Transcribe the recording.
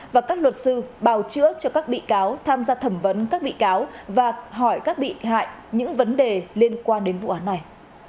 và các luật sư bào chữa cho các bị cáo tham gia thẩm vấn các bị cáo và hỏi các bị hại những vấn đề liên quan đến vụ án này